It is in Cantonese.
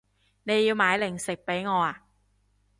你要買零食畀我啊